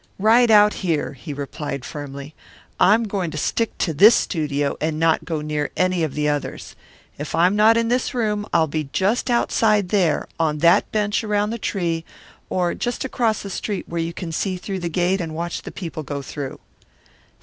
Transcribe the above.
"Right out here," he replied firmly. "I'm going to stick to this studio and not go near any of the others. If I'm not in this room I'll be just outside there, on that bench around the tree, or just across the street where you can see through the gate and watch the people go through."